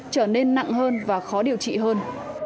trở nên nặng hơn và khó điều trị hơn